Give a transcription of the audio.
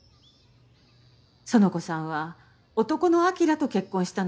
苑子さんは男の晶と結婚したのよ。